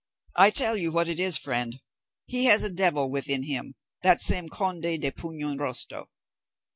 I tell you what it is, friend, he has a devil within him, that same conde de Puñonrostro.